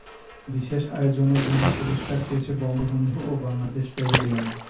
বিশেষ আয়োজনের জন্য পুরস্কার পেয়েছে বঙ্গবন্ধু ও বাংলাদেশ প্যাভিলিয়ন।